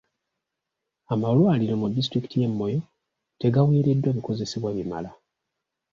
Amalwaliro mu disitulikiti y'e Moyo tegaweereddwa bikozesebwa bimala